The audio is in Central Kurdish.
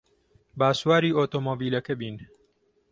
با سواری ئۆتۆمۆبیلەکە بین.